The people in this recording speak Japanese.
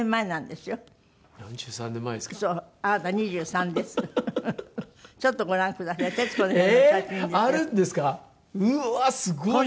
すごいな。